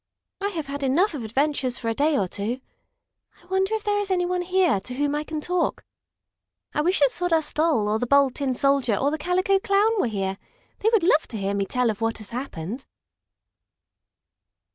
"I have had enough of adventures for a day or two. I wonder if there is any one here to whom I can talk. I wish the Sawdust Doll or the Bold Tin Soldier or the Calico Clown were here. They would love to hear me tell of what has happened."